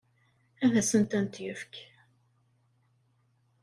Ad asen-tent-yefk?